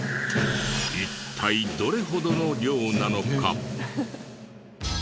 一体どれほどの量なのか？